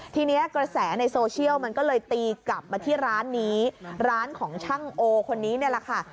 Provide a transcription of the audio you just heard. ทีนี้กระแสในโซเชียลมันก็เลยตีกลับมาที่ร้านนี้ร้านของช่างโอคนนี้เนี่ยแหละค่ะ